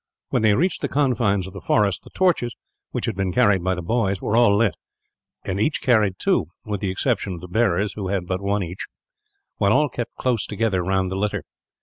When they reached the confines of the forest the torches, which had been carried by the boys, were all lit; and each carried two with the exception of the bearers, who had but one each while all kept close together round the litter.